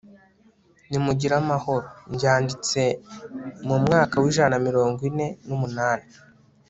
nimugire amahoro! mbyanditse mu mwaka w'ijana na mirongo ine n'umunani